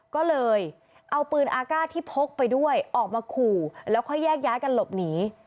ก็เลยเอาปืนอากาศที่พกไปด้วยออกมาขู่แล้วค่อยแยกย้ายกันหลบหนี